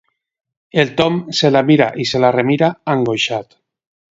El Tom se la mira i se la remira, angoixat.